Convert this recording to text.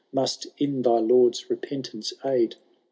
Must in thy Lord^s repentance aid.